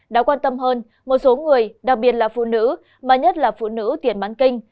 đáng quan tâm hơn một số người đặc biệt là phụ nữ mà nhất là phụ nữ tiền mãn kinh